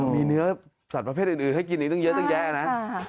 มีเนื้อสัตว์ประเภทอื่นให้กินอีกตั้งเยอะตั้งแยะนะ